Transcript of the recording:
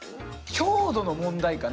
強度の問題かな？